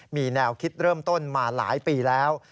มีแนวคิดเริ่มต้นมาหลายปีแล้ว